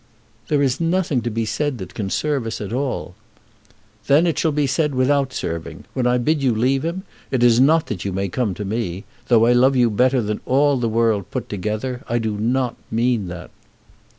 "There is nothing to be said that can serve us at all." "Then it shall be said without serving. When I bid you leave him, it is not that you may come to me. Though I love you better than all the world put together, I do not mean that."